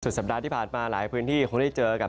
สัปดาห์ที่ผ่านมาหลายพื้นที่คงได้เจอกับ